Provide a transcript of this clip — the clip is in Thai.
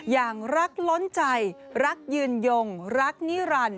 อย่างรักล้นใจรักยืนยงรักนิรันดิ